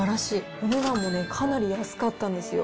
お値段もね、かなり安かったんですよ。